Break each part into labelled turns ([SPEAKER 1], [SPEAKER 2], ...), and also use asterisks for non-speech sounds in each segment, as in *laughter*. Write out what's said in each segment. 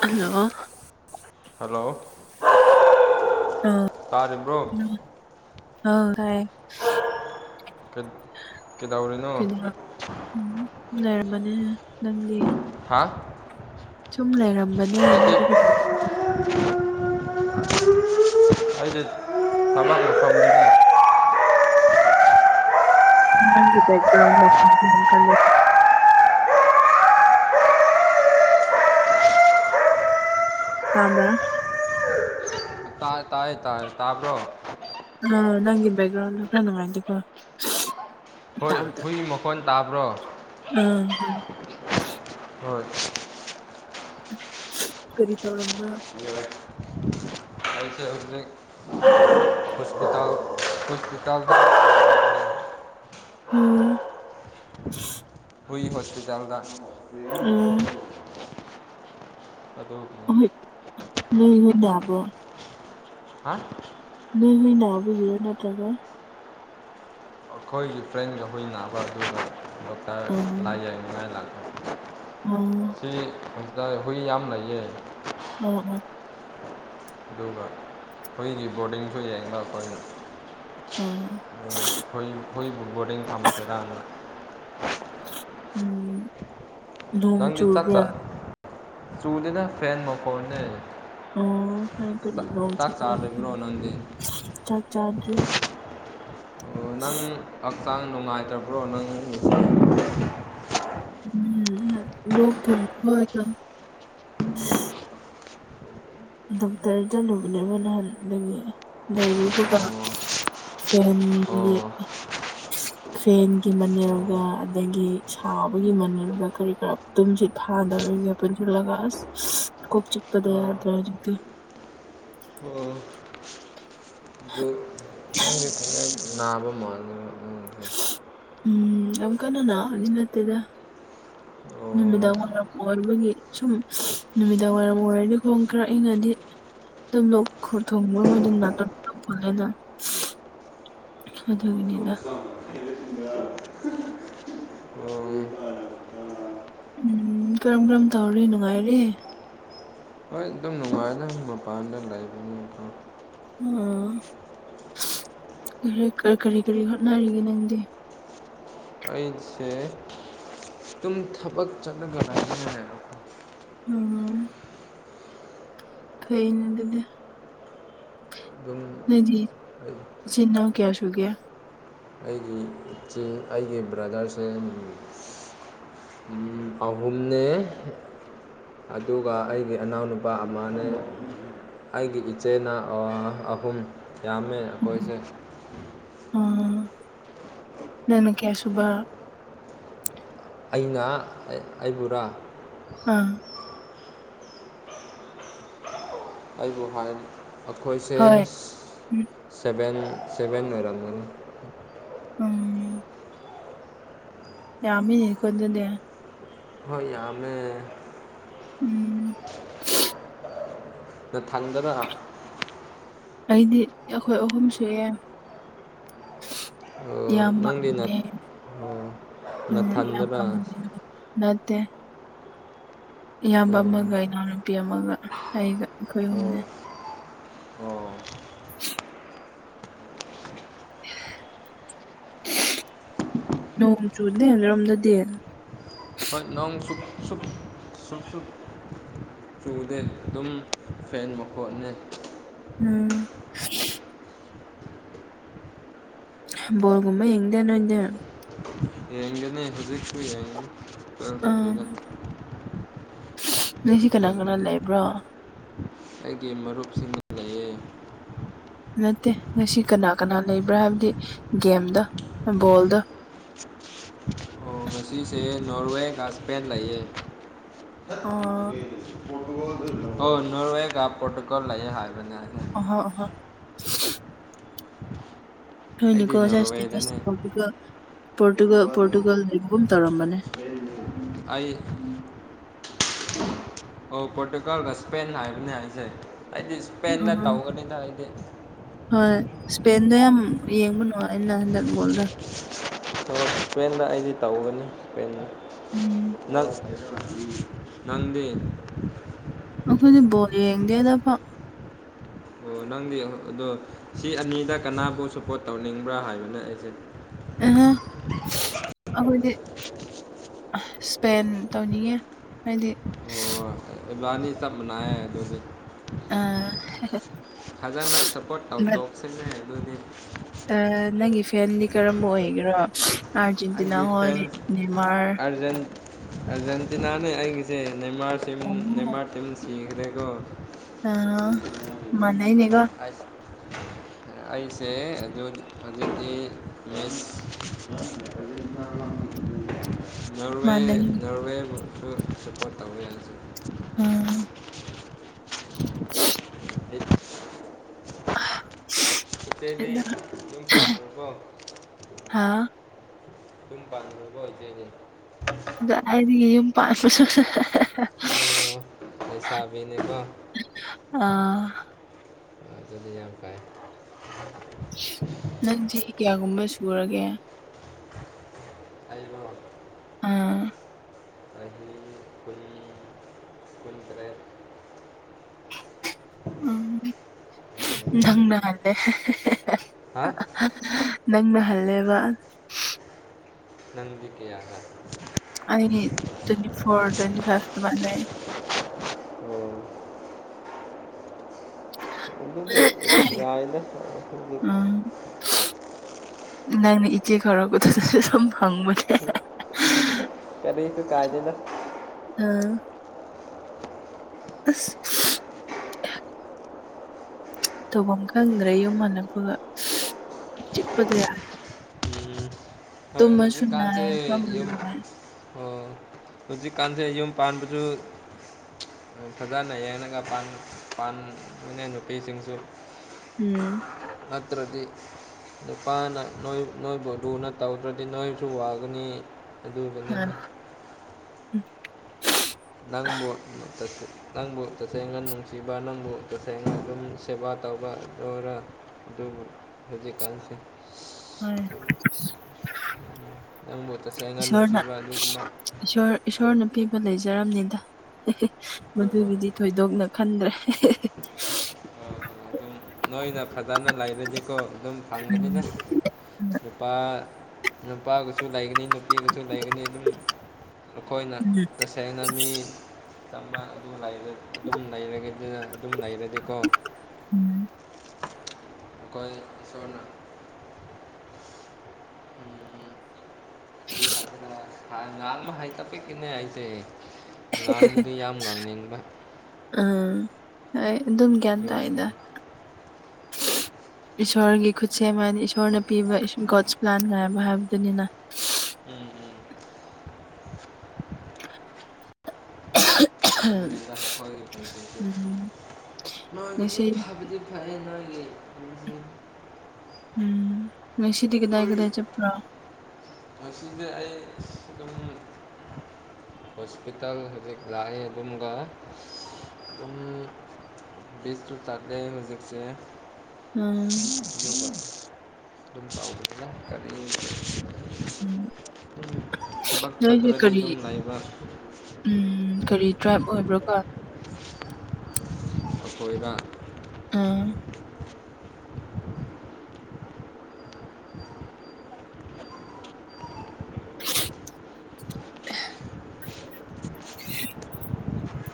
[SPEAKER 1] hello
[SPEAKER 2] hello
[SPEAKER 1] ꯑꯥ
[SPEAKER 2] ꯇꯥꯔꯤꯕ꯭ꯔꯣ
[SPEAKER 1] ꯑꯥ ꯇꯥꯏꯌꯦ
[SPEAKER 2] *inaudible* ꯀꯩꯗꯧꯔꯤꯅꯣ
[SPEAKER 1] ꯀꯗ ꯎꯝ ꯂꯩꯔꯝꯕꯅꯦ ꯅꯪꯒꯤ
[SPEAKER 2] ꯍꯥ
[SPEAKER 1] ꯁꯨꯝ ꯂꯩꯔꯝꯕꯅꯦ
[SPEAKER 2] ꯑꯩꯗꯤ
[SPEAKER 1] ꯅꯪꯒꯤꯗ
[SPEAKER 2] ꯑ ꯊꯃꯒ ꯐꯒꯤ
[SPEAKER 1] *unintelligible* ꯅꯪꯒꯤ ꯇꯈ ꯂ ꯀ ꯂꯩ ꯍꯥ ꯃ
[SPEAKER 2] ꯇꯥꯏ ꯇꯥꯏꯌꯦ ꯇꯥꯏ ꯇꯥꯕ꯭ꯔꯣ
[SPEAKER 1] ꯑ ꯅꯪꯒꯤ ꯕꯒ꯭ꯔꯥꯎꯟ ꯂ ꯈ꯭ꯔ ꯅꯅꯨꯡꯉꯥꯏꯗꯦꯀꯣ
[SPEAKER 2] ꯍꯣꯏ
[SPEAKER 1] ꯇꯥꯃꯗ
[SPEAKER 2] ꯍꯨꯏ ꯃꯈꯣꯟ ꯇꯥꯕ꯭ꯔꯣ
[SPEAKER 1] ꯎꯝ
[SPEAKER 2] ꯍꯣꯏ
[SPEAKER 1] ꯀꯔꯤ ꯇꯧꯔꯝ
[SPEAKER 2] ꯍ
[SPEAKER 1] *unintelligible*
[SPEAKER 2] ꯑꯁꯦ ꯍꯧꯒꯦ ꯍꯁꯄꯤꯇꯥꯜ ꯀꯇꯗ
[SPEAKER 1] ꯎꯝ
[SPEAKER 2] ꯍꯣꯢ ꯍꯣꯁꯄꯤꯇꯥꯜꯗ
[SPEAKER 1] ꯑꯥ
[SPEAKER 2] ꯑ
[SPEAKER 1] ꯅ ꯍ ꯌꯥꯕ꯭ꯔꯣ
[SPEAKER 2] ꯍꯥ
[SPEAKER 1] ꯍꯣꯏꯅꯅꯥꯕꯒꯤꯅ ꯇꯒ
[SPEAKER 2] ꯑꯩꯈꯣꯏꯒꯤ ꯐ꯭ꯔꯦꯟꯒ ꯍꯨꯏ ꯅꯥꯕ ꯑꯗꯨ ꯗꯣꯛꯇ
[SPEAKER 1] ꯑꯥ
[SPEAKER 2] ꯂꯥꯏ ꯌꯥꯏꯅꯤꯡꯉꯥꯏ ꯂꯥꯛ
[SPEAKER 1] ꯑꯥ
[SPEAKER 2] ꯁꯤ ꯍꯧꯖꯤꯇꯥ ꯍꯨꯏ ꯌꯥꯝ ꯂꯩꯌꯦ
[SPEAKER 1] ꯎ ꯎꯝ
[SPEAKER 2] ꯑꯗꯨꯒ ꯑꯩꯈꯣꯏꯒꯤ ꯕꯣꯔꯗꯤꯡꯁꯨ ꯌꯦꯡꯕ ꯑꯩꯈꯣꯏꯅ
[SPEAKER 1] ꯑꯥ
[SPEAKER 2] ꯈꯣꯏ ꯑꯩꯈꯣꯏ ꯕꯗꯤ ꯀꯝ ꯆꯔꯅ
[SPEAKER 1] ꯎꯝ ꯅꯣꯡ ꯆꯨꯕ꯭ꯔ
[SPEAKER 2] ꯆꯨꯗꯨꯅ ꯐꯦꯟ ꯃꯈꯣꯟꯅꯤ
[SPEAKER 1] ꯑ ꯍ ꯀꯔꯤ ꯂꯥꯎ ꯆꯔ
[SPEAKER 2] ꯆꯥꯗ꯭ꯔꯤꯕ꯭ꯔꯣ ꯅꯪꯗꯤ
[SPEAKER 1] ꯆꯥꯛ ꯆꯥꯖ
[SPEAKER 2] ꯑ ꯅꯪ ꯍꯛꯆꯥꯡ ꯅꯨꯡꯉꯥꯏꯇꯕ꯭ꯔꯣ ꯅꯪ
[SPEAKER 1] ꯎꯝ ꯂꯣꯛ ꯊꯨꯡ ꯀ ꯗꯣꯛꯇꯔ ꯆꯂꯨꯕꯅꯦꯕ ꯅꯍꯥꯟꯗꯒꯤ ꯂꯩꯔꯨꯕꯒ ꯍ
[SPEAKER 2] ꯑꯣ
[SPEAKER 1] ꯐ꯭ꯔꯦꯟꯒꯤ ꯃꯅꯦꯜꯒ ꯑꯗꯒꯤ ꯁꯥꯕꯒꯤ ꯃꯅꯦꯜꯒ ꯀꯔꯤ ꯀꯔꯥ ꯇꯨꯝꯁꯤ ꯌꯥꯗꯕꯦ ꯄꯨ ꯆꯂꯒꯥꯁ ꯈꯨ ꯆꯤꯛꯄꯗ
[SPEAKER 2] ꯑꯣ ꯑꯣ
[SPEAKER 1] ꯌꯥꯗ꯭ꯔꯦ ꯍꯧꯖꯤ ꯀ
[SPEAKER 2] ꯑꯗꯨ ꯅꯪꯗꯤ ꯐꯖ ꯅꯥꯕ ꯃꯥꯂ
[SPEAKER 1] ꯎꯝ ꯑꯣꯪꯀꯅ ꯅꯅꯥ ꯏꯅꯇꯗ
[SPEAKER 2] ꯑꯣ
[SPEAKER 1] ꯅꯨꯃꯤꯗꯥꯡ ꯋꯥꯏꯔꯝ ꯑꯣꯏꯕꯒꯤ ꯁꯨꯝ ꯅꯨꯃꯤꯗꯥꯡ ꯋꯥꯏꯔꯝ ꯑꯣꯏꯔꯗꯤ ꯈꯣꯡ ꯈꯔꯛꯏꯉꯗꯤ ꯑꯗꯨ ꯂ ꯈꯨ ꯊꯣꯡꯕ ꯃꯣꯏ ꯅꯥꯇꯣꯟ ꯐꯂꯦꯅ
[SPEAKER 2] *unintelligible*
[SPEAKER 1] ꯎꯝ ꯀꯔꯝ ꯀꯔꯝ ꯇꯧꯔꯤ ꯅꯨꯡꯉꯥꯏꯔꯤ
[SPEAKER 2] ꯅꯨꯡꯉꯥꯏꯅ ꯃꯄꯥꯟꯗ ꯂꯩꯕꯅꯤ
[SPEAKER 1] ꯑꯣ ꯀꯔꯤ ꯀꯔꯤ ꯍꯣꯠꯅꯔꯤꯒꯦ ꯅꯪꯗꯤ
[SPEAKER 2] ꯑꯩꯁ ꯑꯗꯨꯝ ꯊꯕꯛ ꯆꯠꯅꯒꯅꯤꯅꯦꯕ
[SPEAKER 1] ꯀꯩꯅꯦ ꯑꯗꯨꯗꯤ
[SPEAKER 2] ꯑꯗꯨꯝ
[SPEAKER 1] ꯅꯗꯤ
[SPEAKER 2] ꯑꯩ
[SPEAKER 1] ꯁꯤꯟꯅ ꯀꯌꯥꯁꯨꯨꯒꯦ
[SPEAKER 2] ꯑꯩꯒꯤ ꯏꯆꯦ ꯑꯩꯒꯤ ꯕ꯭ꯔꯗꯔꯁꯦ ꯑꯍꯨꯝꯅ ꯑꯗꯨꯒ ꯑꯩꯒꯤ ꯏꯅꯥꯎꯅꯨꯄꯥ ꯑꯃꯅꯦ ꯑꯩꯒꯤ ꯏꯆꯦꯅ ꯑꯍꯨꯝ ꯌꯥꯝꯃꯦ ꯑꯩꯈꯣꯏꯁꯦ
[SPEAKER 1] ꯎ ꯅꯅ ꯀꯦꯌꯥꯁꯨꯕ
[SPEAKER 2] ꯑꯩꯅ ꯑꯩꯕꯨꯔꯥ
[SPEAKER 1] ꯑꯥ
[SPEAKER 2] ꯑꯩꯕꯨ ꯍꯥꯏ ꯑꯩꯈꯣꯏꯁꯦ
[SPEAKER 1] ꯍꯣꯏ
[SPEAKER 2] ꯁꯚꯦꯟ ꯁꯤꯕꯟꯅꯔ
[SPEAKER 1] ꯎꯝ ꯌꯥꯃꯤꯅꯤꯀꯣꯟꯗꯗꯦ
[SPEAKER 2] ꯍꯣꯏꯃꯦ
[SPEAKER 1] ꯎꯝ
[SPEAKER 2] ꯅ ꯊꯪꯗꯅ
[SPEAKER 1] ꯑꯩꯗꯤ ꯑꯩꯈꯣꯏ ꯑꯍꯨꯝ ꯁꯨꯑ
[SPEAKER 2] ꯑꯣ ꯅꯪꯗꯤ ꯅ
[SPEAKER 1] ꯌꯥꯝꯌꯥꯝꯕꯅꯦ
[SPEAKER 2] ꯑꯣ
[SPEAKER 1] ꯎꯝ ꯌꯥꯝꯕ
[SPEAKER 2] ꯅꯊꯟꯗꯔ
[SPEAKER 1] ꯅꯠꯇꯦ ꯏꯌꯥꯝꯕ
[SPEAKER 2] ꯎꯝ
[SPEAKER 1] ꯑꯃꯒ ꯏꯅꯥꯎꯅꯨꯄꯤ ꯑꯃꯒ ꯑꯩꯒ ꯑꯩꯈꯣꯏ
[SPEAKER 2] ꯑꯣ
[SPEAKER 1] ꯑꯍꯨꯝꯅꯤ
[SPEAKER 2] ꯑꯣ
[SPEAKER 1] *unintelligible* ꯅꯣꯡ ꯆꯨꯗꯗꯔꯣꯝꯗ ꯗꯦꯜ
[SPEAKER 2] ꯍꯣꯏ ꯅꯣꯡ ꯁꯨꯛ ꯁꯨꯛ ꯁꯨꯛ ꯁꯨꯛ ꯆꯨꯗꯦ ꯑꯗꯨꯝ ꯐꯦꯟ ꯃꯈꯣꯠꯅ
[SPEAKER 1] ꯎꯝ ꯣꯜꯒꯨꯝꯃ ꯌꯦꯡꯗꯅ ꯏꯗ
[SPEAKER 2] ꯌꯦꯡꯒꯅꯦ ꯍꯧꯖꯤꯛꯁꯨ ꯌꯥꯏ
[SPEAKER 1] ꯑꯥ ꯅꯣꯏꯁꯤ ꯀꯅꯥ ꯀꯅꯥ
[SPEAKER 2] ꯌꯦꯡꯒꯅꯤ
[SPEAKER 1] ꯂꯩꯕ꯭ꯔꯣ
[SPEAKER 2] ꯑꯩꯒꯤ ꯃꯔꯨꯞꯁꯤꯡꯅ ꯂꯩꯌꯦ
[SPEAKER 1] ꯅꯠꯇꯦ ꯉꯁꯤ ꯀꯅꯥ ꯀꯅꯥ ꯂꯩꯕ꯭ꯔꯥ ꯍꯥꯏꯕꯗꯤ ꯒꯦꯝꯗ ꯕꯣꯜꯗ
[SPEAKER 2] ꯑꯣ ꯉꯁꯤꯁꯤ ꯅꯔꯋꯦ ꯀ ꯏꯁꯄꯦꯟ ꯂꯩꯦ
[SPEAKER 1] ꯑ
[SPEAKER 2] ꯑꯣ ꯅꯣꯣꯔꯋꯦ ꯀ ꯄꯣꯇꯣꯀꯣꯜ ꯂꯩ ꯍꯥꯏꯔꯕꯅꯦ
[SPEAKER 1] ꯑꯍꯣ ꯑꯍꯣ ꯍꯣꯏꯅꯤꯀꯣ ꯁꯁꯇꯦ ꯁꯇ ꯄꯇꯀꯣ
[SPEAKER 2] ꯐꯨꯠꯕꯜ ꯑꯩ ꯑꯣ ꯄꯣꯇꯨꯒꯜꯒ ꯁꯄꯦꯦꯟ ꯍꯥꯏꯕꯅꯤ ꯍꯥꯏꯁꯦ ꯍꯥꯏꯗꯤ ꯏꯁꯄꯦꯟꯗ
[SPEAKER 1] ꯎꯝ
[SPEAKER 2] ꯇꯧꯒꯅꯤꯅ ꯍꯥꯏꯗꯤ
[SPEAKER 1] ꯏꯁꯄꯦꯟꯗ ꯌꯥꯝ ꯌꯦꯡꯕꯅꯣ ꯑꯩꯅ ꯍꯟꯗꯛ ꯣꯜꯗ
[SPEAKER 2] ꯍ ꯇ꯭ꯔꯦꯟꯗ ꯑꯩꯗꯤ ꯇꯧꯒꯅꯤ ꯇ꯭ꯔꯦꯟꯗ
[SPEAKER 1] ꯎꯝ
[SPEAKER 2] ꯅꯪ ꯅꯗꯤ
[SPEAKER 1] ꯑꯩꯈꯣꯏꯗꯤ ꯕꯣꯜ ꯌꯦꯡꯗꯦꯗ ꯐꯛ
[SPEAKER 2] ꯑꯣ ꯅꯪꯗꯤ ꯑꯗꯣ ꯁꯤ ꯑꯅꯤꯗ ꯀꯅꯥꯕꯨ ꯁꯄꯣꯔꯠ ꯇꯧꯅꯤꯡꯕ꯭ꯔꯥ ꯍꯥꯏꯕꯅ‌ꯦ ꯑꯩꯁꯦ
[SPEAKER 1] ꯑꯍ ꯑꯈꯣꯏꯗꯤ ꯑꯥ ꯏꯁꯄꯦꯟ ꯇꯧꯅꯤꯡꯉꯦ ꯍꯥꯏꯗꯤ
[SPEAKER 2] ꯏꯝꯔꯅꯤ ꯆꯞ ꯃꯅꯥꯏ ꯍꯥꯏꯗꯨꯁ
[SPEAKER 1] ꯑ
[SPEAKER 2] ꯐꯖꯅ ꯁꯞꯄꯣꯔꯠ ꯇꯧ
[SPEAKER 1] ꯕꯠ
[SPEAKER 2] ꯇꯣꯛꯁꯤꯅꯦ ꯑꯗꯨꯗꯤ
[SPEAKER 1] ꯑ ꯅꯪꯒꯤ ꯐꯦꯟꯗꯤ ꯀꯔꯝꯕ ꯑꯣꯏꯒꯦꯔꯣ ꯑꯥꯔꯖꯦꯟꯇꯤꯅꯥ
[SPEAKER 2] ꯑꯩꯒꯤ
[SPEAKER 1] ꯍꯣꯏ
[SPEAKER 2] ꯐꯦꯟꯁ
[SPEAKER 1] ꯗꯦꯟꯃꯥꯔ
[SPEAKER 2] ꯑꯥꯔꯖꯦꯟ ꯑꯥꯔꯖꯦꯟꯇꯤꯅꯥꯅꯦ ꯑꯩꯒꯤꯁꯦ ꯅꯦꯃꯥꯔ ꯇꯤꯝ ꯅꯦꯃꯥꯔ ꯇꯤꯝ ꯁꯤꯈ꯭ꯔꯦꯀꯣ
[SPEAKER 1] ꯑ ꯃꯅꯅꯦ
[SPEAKER 2] ꯑ ꯑꯩꯁꯦ ꯍꯧꯖꯤꯛꯇꯤ ꯃꯦ ꯀ꯭ꯂ
[SPEAKER 1] *unintelligible*
[SPEAKER 2] ꯅꯣꯔꯋꯦ
[SPEAKER 1] ꯃꯥꯟꯅꯩ
[SPEAKER 2] ꯅꯣꯔꯋꯦꯃꯨꯁꯨ ꯁꯄꯣꯔꯠ ꯇꯧꯋꯦ ꯍꯥꯏꯁꯦ
[SPEAKER 1] ꯑꯥ *unintelligible*
[SPEAKER 2] ꯑꯇꯩꯗꯤ ꯌꯨꯝ ꯄꯥꯟꯈ꯭ꯔꯦꯀꯣ
[SPEAKER 1] ꯍꯥ
[SPEAKER 2] ꯑꯗꯨꯝ ꯄꯥꯟꯗꯕ *inaudible* ꯖꯦꯅꯦ
[SPEAKER 1] ꯑꯗ‌ꯣ ꯑꯩꯗꯤ ꯌꯨꯝ ꯄꯥꯟꯗꯔꯁꯨ *unintelligible*
[SPEAKER 2] ꯀꯂꯩꯕ *unintelligible* ꯑꯗꯨꯗꯤ ꯌꯥꯝ ꯀꯥꯏ
[SPEAKER 1] ꯅꯪ ꯆꯍꯤ ꯀꯌꯥꯒꯨꯝꯕ ꯁꯨꯔꯒꯦ
[SPEAKER 2] ꯑꯩꯕꯨꯔ‌ *unintelligible*
[SPEAKER 1] ꯑꯥ
[SPEAKER 2] ꯀꯨꯟꯇꯔꯦꯠ
[SPEAKER 1] ꯎꯝ ꯅꯪꯅ ꯍꯜꯂ‌ꯦ
[SPEAKER 2] ꯍꯥ
[SPEAKER 1] ꯅꯪꯅ ꯍꯜꯂꯦꯕ
[SPEAKER 2] ꯀꯌꯥꯔ
[SPEAKER 1] ꯑꯩ ꯇ꯭ꯋꯦꯟꯇꯤ ꯐꯣꯔ ꯇ꯭ꯋꯦꯟꯇꯤ ꯐꯥꯏꯚ ꯗꯨꯃꯥꯏ ꯂꯩ
[SPEAKER 2] ꯑꯣ
[SPEAKER 1] *unintelligible*
[SPEAKER 2] ꯋꯥꯏꯗꯥ *unintelligible*
[SPEAKER 1] ꯎꯝ ꯅꯪꯅ ꯏꯆꯦ ꯀꯧꯔꯛꯀ *unintelligible*
[SPEAKER 2] *unintelligible* ꯀꯔꯤ ꯇꯨ ꯀꯥꯏꯗꯩꯅ‌ꯣ *unintelligible*
[SPEAKER 1] ꯑꯥ ꯑꯁ *unintelligible* ꯇꯧꯐꯝ ꯈꯪꯗ꯭ꯔꯦ ꯌꯨꯝ ꯍꯜꯂꯛꯄꯒ *unintelligible* ꯆꯤꯛꯄꯗꯣ ꯌꯥꯗ꯭ꯔꯦ
[SPEAKER 2] ꯎꯝ ꯍꯣꯏ ꯍꯧꯖꯤꯛꯀꯥꯟꯁꯦ
[SPEAKER 1] ꯐꯝꯕꯗ
[SPEAKER 2] ꯌꯨꯝ
[SPEAKER 1] ꯅꯥꯏ
[SPEAKER 2] ꯑꯣ ꯍꯧꯖꯤꯛꯀꯥꯟꯁꯦ ꯌꯨꯝ ꯄꯥꯟꯕꯖꯨ ꯐꯖꯅ ꯌꯦꯡꯉꯒ ꯄꯥꯟ ꯄꯥꯟ ꯑꯣꯏꯅ ꯅꯨꯄꯤꯁꯤꯡꯁꯨ
[SPEAKER 1] ꯎꯝ
[SPEAKER 2] ꯅꯠꯇ꯭ꯔꯗꯤ ꯅꯨꯄꯥꯅ ꯅꯣꯏ ꯅ‌ꯣꯏꯕꯨ ꯂꯨꯅ ꯇꯧ ꯗꯔꯗꯤ ꯅꯣꯏꯁꯨ ꯋꯥꯒꯅꯤ
[SPEAKER 1] ꯍꯣꯏ
[SPEAKER 2] ꯑꯗꯨꯒꯅꯤꯅ ꯅꯪꯕꯨ ꯇꯁ‌ꯦꯡ ꯅꯪꯕꯨ ꯇꯁꯦꯡꯅ ꯅꯨꯡꯁꯤꯕ ꯅꯪꯕꯨ ꯇꯁꯦꯡꯅ ꯑꯗꯨꯝ ꯁꯦꯕꯥ ꯇꯧꯕ ꯗꯣꯏꯔ ꯑꯗꯨꯕꯨ ꯍꯧꯖꯤꯛꯀꯥꯟꯁꯦ
[SPEAKER 1] ꯍꯣꯏ
[SPEAKER 2] ꯅꯪꯕꯨ ꯆꯠꯁ‌ꯦꯡꯅ
[SPEAKER 1] ꯏꯁꯣꯔꯅ
[SPEAKER 2] ꯅꯨꯡꯁꯤꯕ ꯑꯗꯨꯒꯨꯝꯕ
[SPEAKER 1] ꯖꯔꯝꯅꯤꯗ ꯍ‌ꯦꯍ‌ꯦ
[SPEAKER 2] ꯍꯣꯏ ꯍꯣꯏ
[SPEAKER 1] ꯃꯗꯨꯒꯤꯗꯤ ꯊꯣꯏꯗꯣꯛꯅ ꯈꯟꯗ꯭ꯔꯦ *unintelligible*
[SPEAKER 2] ꯅ‌ꯣꯏ ꯅꯣꯏꯅ ꯐꯖꯥꯅ ꯂꯥꯏ ꯍꯥꯏꯕꯗꯤꯀꯣ ꯑꯗꯨꯝ
[SPEAKER 1] ꯎꯝ
[SPEAKER 2] ꯐꯪꯒꯅꯤꯗ ꯅꯨꯄꯥ ꯅꯨꯄꯥꯒꯁꯨ ꯂꯩꯒꯅꯤ ꯅꯨ ꯄꯤꯕꯁꯨ ꯂꯩꯒꯅꯤ ꯑꯗꯨꯝ ꯑꯩꯈꯣꯏꯅ
[SPEAKER 1] ꯎꯝ
[SPEAKER 2] ꯇꯁꯦꯡꯅ ꯃꯤ ꯆꯝꯕ ꯑꯗꯨ ꯑꯗꯨꯝ ꯂꯩꯔꯒꯦ ꯑꯗꯨꯝ ꯂꯩꯔꯗꯤꯀꯣ
[SPEAKER 1] ꯎꯝ
[SPEAKER 2] ꯑꯈꯣꯏ ꯑꯆꯣꯟꯅ ꯎꯝꯝ *unintelligible* ꯉꯥꯡꯕꯗꯤ ꯌꯥꯝ ꯉꯥꯡꯅꯤꯡꯕ
[SPEAKER 1] ꯎꯝ ꯑꯗꯨ ꯑꯗꯨꯝ ꯒ꯭ꯌꯥꯟ
[SPEAKER 2] ꯑꯗꯨꯒꯤꯅꯤ
[SPEAKER 1] ꯇꯥꯏꯗ ꯏꯁꯣꯔꯒꯤ ꯈꯨꯠꯁꯦꯝ ꯍꯥꯏꯅ ꯏꯁꯣꯔꯅ ꯄꯤꯕ ꯏꯁ ꯒꯣꯗꯁ ꯄ꯭ꯂꯥꯟ ꯒ ꯌꯥꯝ ꯍꯥꯏꯕꯗꯨꯅꯤꯅ
[SPEAKER 2] ꯎꯝ ꯎꯝ *unintelligible* ꯑꯗꯨꯅꯤꯗ ꯑꯩꯈꯣꯏꯒꯤ ꯄꯨꯟꯁꯤꯁ‌ꯦ
[SPEAKER 1] ꯎꯝ
[SPEAKER 2] ꯅꯣꯏꯕꯨꯗꯤ
[SPEAKER 1] ꯉꯁꯤ
[SPEAKER 2] ꯐꯕꯗꯤ ꯐꯩ ꯅꯣꯏ ꯒꯤ ꯄꯨꯟꯁꯤ *unintelligible*
[SPEAKER 1] ꯎꯝ ꯉꯁꯤꯗꯤ ꯀꯗꯥꯏ
[SPEAKER 2] ꯍꯣꯏ
[SPEAKER 1] ꯀꯗꯥꯏ ꯆꯠꯄ꯭ꯔ
[SPEAKER 2] ꯉꯁꯤꯁꯦ ꯑꯩ ꯑꯁ ꯑꯗꯨꯝ ꯍꯣꯁꯄꯤꯇꯥꯜ ꯍꯧꯖꯤꯛ ꯂꯥꯛꯏ ꯑꯗꯨꯝꯒ ꯑꯗꯨꯝ ꯕꯤꯁꯁꯨꯨ ꯆꯥꯛꯂꯦ ꯍꯧꯖꯤꯛꯁꯦ
[SPEAKER 1] ꯎꯝ
[SPEAKER 2] ꯑꯗꯨꯒ ꯑꯗꯨꯝ ꯇꯕꯅꯤꯅ ꯑ
[SPEAKER 1] ꯎꯝ
[SPEAKER 2] ꯊꯕꯛ
[SPEAKER 1] ꯅꯣꯏꯁꯦ
[SPEAKER 2] ꯆꯠꯇ꯭ꯔꯗꯤ
[SPEAKER 1] ꯀꯔꯤ
[SPEAKER 2] ꯑꯗꯨꯝ ꯂꯩꯕ
[SPEAKER 1] ꯎꯝ ꯀꯔꯤ ꯗ꯭ꯔꯥꯏꯞ ꯑꯣꯏꯕ꯭ꯔꯣꯀꯣ
[SPEAKER 2] ꯑꯩꯈꯣꯏꯗ
[SPEAKER 1] ꯑꯥ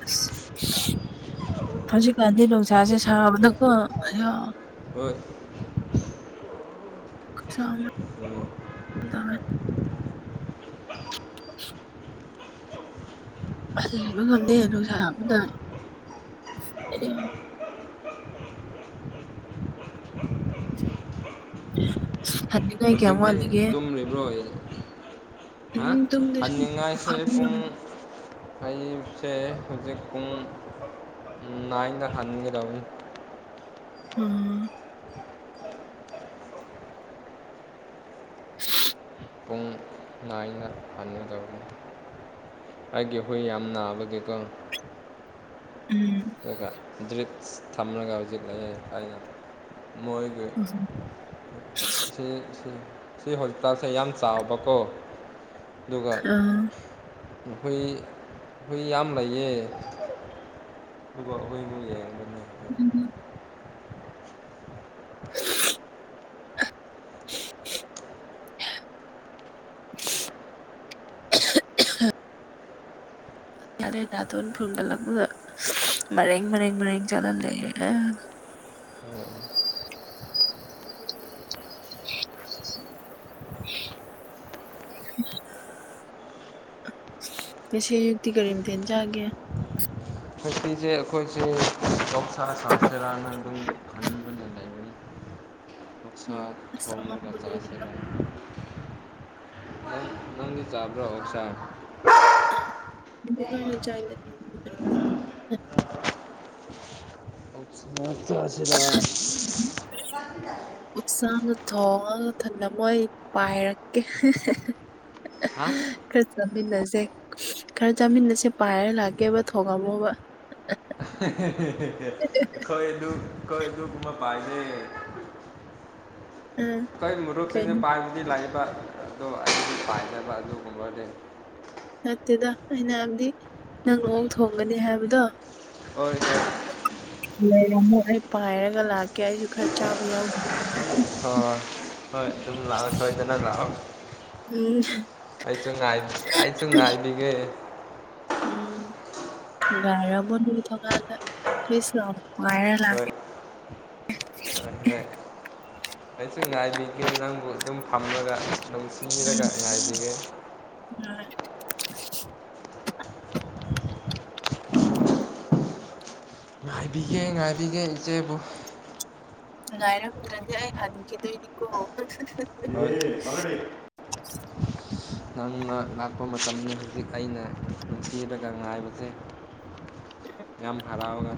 [SPEAKER 1] ꯑꯁ ꯍꯧꯖꯤꯛ ꯀꯥꯟꯗꯤ ꯅꯨꯡꯁꯤꯁꯦ ꯁꯥꯕꯅꯥꯀꫭ
[SPEAKER 2] ꯍꯣꯏ
[SPEAKER 1] ꯈꯨꯨꯁ ꯑꯃ ꯑ ꯂꯩꯕ ꯉꯝꯗꯦ ꯅꯨꯡꯁꯥ ꯑꯃꯗ ꯊꯥꯟ ꯀꯌꯥ
[SPEAKER 2] ꯍꯧꯖꯤꯛꯇꯤ
[SPEAKER 1] ꯃ
[SPEAKER 2] ꯇꯨꯝꯔꯤꯕ꯭ꯔꯣ
[SPEAKER 1] ꯎꯝ ꯇꯨꯝꯗꯤ ꯁꯨꯝ
[SPEAKER 2] ꯍꯟꯉꯥꯁꯤ ꯄꯨꯡ
[SPEAKER 1] ꯐꯝꯃꯝꯕꯅꯦ
[SPEAKER 2] ꯑꯩꯁꯦ ꯍꯧꯖꯤꯛ ꯄꯨꯡ ꯅꯥꯏꯟꯗ ꯍꯟꯒꯗꯧꯅꯤ
[SPEAKER 1] *unintelligible* ꯎꯝ *unintelligible*
[SPEAKER 2] ꯄꯨꯡ ꯅꯥꯏꯅ ꯍꯟꯒꯗꯧꯕꯅꯤ ꯑꯩꯒꯤ ꯍꯨꯏ ꯌꯥꯝ ꯅꯥꯕꯒꯤꯀꯣ ꯑꯗꯨꯒ ꯗ꯭ꯔꯤꯛꯁ ꯊꯝꯂꯒ ꯍꯧꯖꯤꯛ ꯑꯩꯅ ꯃꯣꯏꯒ ꯁꯤ ꯁꯤꯦ ꯁꯤ ꯍꯣꯁꯄꯤꯇꯥꯜꯁꯦ ꯌꯥꯝ ꯆꯥꯎꯕꯀꯣ ꯑꯗꯨꯒ
[SPEAKER 1] ꯑꯥ
[SPEAKER 2] ꯍꯨꯏ ꯍꯨꯏ ꯌꯥꯝ ꯂꯩꯌꯦ ꯗꯨꯒ ꯍꯨꯏꯗꯨ ꯌꯦꯡꯕꯅꯦ
[SPEAKER 1] ꯎꯝ *unintelligible* ꯑ *unintelligible* ꯑꯍꯨ ꯑꯍꯨ ꯌꯥꯔꯦ ꯅꯥꯇꯣꯟ ꯐꯨꯟꯒꯠ ꯂꯛꯄꯗ ꯃꯔꯔꯦꯡ ꯃꯔꯦꯡ ꯃꯔꯦꯡ ꯆꯠꯂ ꯂꯩꯔꯦ ꯑꯥ *inaudible* ꯉꯁꯤ ꯑꯌꯨꯛꯇꯤ ꯀꯔꯤ ꯃꯊꯦꯜ ꯆꯥꯒꯦ
[SPEAKER 2] ꯉꯁꯤꯁꯦ ꯑꯈꯣꯏꯁꯦ ꯑꫭꯎꯁꯥ ꯁꯥꯁꯦꯔꯥꯅ ꯗꯨꯝ ꯈꯟꯕꯅꯦ ꯂꯩꯕꯅꯦ ꯑꫭꯛꯁꯥ
[SPEAKER 1] ꯎꯝ ꯑꯁ
[SPEAKER 2] ꯊꯣꯡꯔꯒ
[SPEAKER 1] ꯑꯍꯥꯎꯕꯅꯤꯅꯦꯀꯣ
[SPEAKER 2] ꯆꯥꯁꯤꯔꯥ ꯅꯪ ꯅꯪꯗꯤ ꯆꯥꯕ꯭ꯔ ꯑꯣꯛꯁꯥ
[SPEAKER 1] *inaudible*
[SPEAKER 2] ꯝꯑꯥ
[SPEAKER 1] ꯍꯥ ꯑꯣꯛꯁꯥꯗꯣ ꯊꯣꯡꯉꯒ ꯃꯊꯟꯅ ꯃꯣꯏ ꯄꯥꯏꯔꯛꯀꯦ
[SPEAKER 2] ꯍꯥ
[SPEAKER 1] ꯈꯔ ꯆꯥꯃꯤꯟꯅꯁꯦ ꯈꯔ ꯆꯥꯃꯤꯟꯅꯁꯦ ꯄꯥꯏꯔ ꯂꯥꯛꯀꯦꯕ ꯊꯣꯡꯉꯝꯃꯣꯕ
[SPEAKER 2] ꯍꯦ ꯍꯦ ꯍꯦ ꯍꯦ ꯍꯦ ꯏꯈꯣꯏ ꯑꯗꯨ ꯑꯈꯣꯏ ꯑꯗꯨꯒꯨꯝꯕ ꯄꯥꯏꯗꯦ
[SPEAKER 1] ꯑꯥ
[SPEAKER 2] ꯀꯩ ꯃꯔꯨꯛꯆꯤꯡꯖꯦ
[SPEAKER 1] ꯀꯩꯅꯣ
[SPEAKER 2] ꯄꯥꯏꯕꯗꯤ ꯂꯥꯏ ꯑꯗꯣ ꯑꯩꯗꯤ ꯄꯥꯏꯗꯕ ꯑꯗꯨꯒꯨꯝꯕ ꯗꯤ
[SPEAKER 1] ꯅꯠꯇꯦꯗ ꯑꯩꯅ ꯍꯥꯏꯕꯗꯤ ꯅꯪꯅ ꯑꯣꯛ ꯊꯣꯡꯒꯅꯤ ꯍꯥꯏꯕꯗꯣ
[SPEAKER 2] ꯑꯣꯏ ꯀꯩ
[SPEAKER 1] ꯂꯩꯔꯝꯃꯣ ꯑꯩ ꯄꯥꯏꯔꯒ ꯂꯥꯛꯀꯦ ꯑꯩꯁꯨ ꯈꯔ ꯆꯥꯕ ꯌꯥꯎꯖꯒꯦ
[SPEAKER 2] ꯍꯣꯏ ꯍꯣꯏ ꯑꯗꯨꯝ ꯂꯥꯛꯑꯣ ꯁꯣꯏꯗꯅ ꯂꯥꯛꯑꯣ
[SPEAKER 1] ꯎꯝ
[SPEAKER 2] ꯑꯩꯆꯨ ꯉꯥꯏ ꯑꯩꯆꯨ ꯉꯥꯏꯕꯤꯒꯦ
[SPEAKER 1] ꯎꯝ ꯂꯥꯏꯔꯝꯃꯣ ꯅꯣꯏ ꯊꯣꯡꯒꯥꯜꯗ ꯍꯨꯏꯁ ꯂꯥꯎꯅ ꯥꯄꯥꯏꯔ ꯂꯥꯀꯦ
[SPEAKER 2] ꯑ ꯍꯣꯏ ꯑꯩꯁꯨ ꯉꯥꯏꯕꯤꯒꯦ ꯅꯪꯕꯨ ꯑꯗꯨꯝ ꯐꯝꯔꯒ ꯂꯧꯁꯤꯟꯕꯤꯔꯒ
[SPEAKER 1] ꯎꯝ
[SPEAKER 2] ꯉꯥꯏꯕꯤꯒꯦ
[SPEAKER 1] *inaudible*
[SPEAKER 2] ꯉꯥꯏꯕꯤꯒꯦ ꯉꯥꯏꯕꯤꯒꯦ ꯏꯆꯦꯕꯨ
[SPEAKER 1] ꯉꯥꯏꯔꯝꯗ꯭ꯔꯗꯤ ꯑꯩ ꯍꯟꯈꯤꯗꯣꯏꯅꯤꯀꯣ
[SPEAKER 2] ꯍꯂꯦ *inaudible* ꯅꯪꯅ ꯂꯥꯛꯄ ꯃꯇꯝꯅꯤ ꯍꯨꯖꯤꯛ ꯑꯩꯅ ꯅꯨꯡꯁꯤꯔꯒ ꯉꯥꯏꯕꯁꯦ ꯌꯥꯝ ꯍꯔꯥꯎꯅ